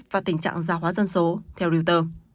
và tình trạng gia hóa dân số theo reuters